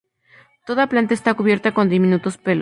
Toda la planta está cubierta con diminutos pelos.